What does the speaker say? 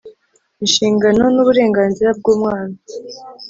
Inshingano n uburenganzira bw umwana